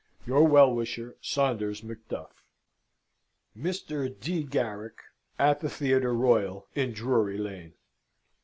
Your well wisher, SAUNDERS MCDUFF." "Mr. D. Garrick, at the Theatre Royal in Drury Lane."